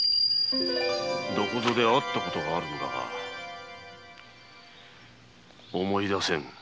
どこぞで会ったことがあるのだが思い出せぬ。